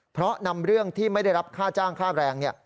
เพราะนำเรื่องที่ไม่ได้รับค่าจ้างค่าแรง